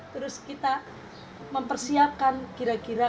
terus kita mempersiapkan kira kira